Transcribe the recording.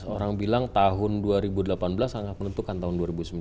orang bilang tahun dua ribu delapan belas sangat menentukan tahun dua ribu sembilan belas